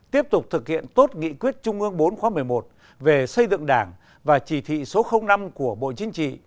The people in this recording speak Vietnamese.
tiếp tục thực hiện tốt nghị quyết trung ương bốn khóa một mươi một về xây dựng đảng và chỉ thị số năm của bộ chính trị